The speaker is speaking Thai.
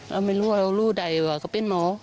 เราไม่รู้ว่าเรารู้ได้ว่าเขาเป็นหมอ